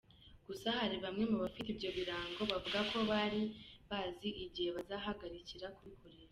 Gusa hari bamwe mu bafite ibyo birango bavuga ko batari bazi igihe bazahagarikira kubikoresha.